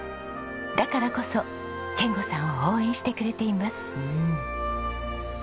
だからこそ賢吾さんを応援してくれています。